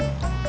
beli ga aku